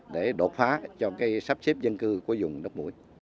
để đột phá cho sắp xếp dân cư của dùng đất mũi